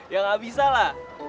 ya gak bisa lah